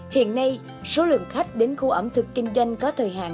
hiện nay số lượng khách đến khu ẩm thực kinh doanh có thời hạn